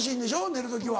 寝る時は。